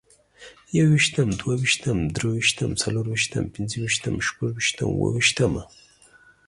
يوویشتم، دوويشتم، دريوشتم، څلورويشتم، پنځوويشتم، شپږويشتم، اوويشتمه